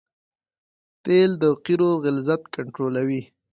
تیل د قیرو غلظت کنټرولوي